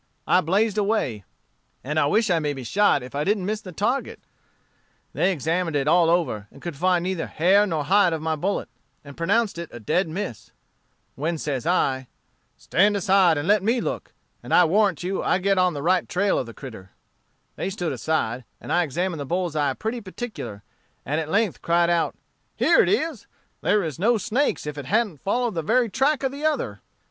I blazed away, and I wish I may be shot if I didn't miss the target. They examined it all over, and could find neither hair nor hide of my bullet, and pronounced it a dead miss; when says I, 'Stand aside and let me look, and I warrant you I get on the right trail of the critter,' They stood aside, and I examined the bull's eye pretty particular, and at length cried out, 'Here it is; there is no snakes if it ha'n't followed the very track of the other.'